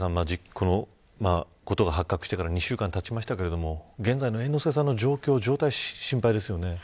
このことが発覚してから２週間たちましたけれども現在の猿之助さんの状況心配ですよね。